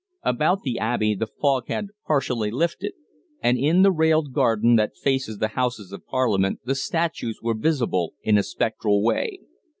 About the Abbey the fog had partially lifted, and in the railed garden that faces the Houses of Parliament the statues were visible in a spectral way.